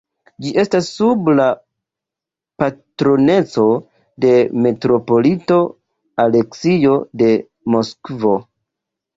Ĝi estas sub la patroneco de metropolito Aleksio de Moskvo.